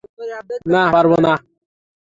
না, পারব না।